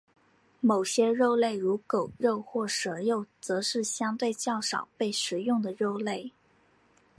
某些肉类如狗肉或蛇肉则是相对较少被食用的肉类。